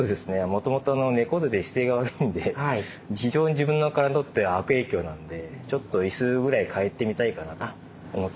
もともとの猫背で姿勢が悪いんで非常に自分の体にとって悪影響なんでちょっと椅子ぐらい替えてみたいかなと思ってまして。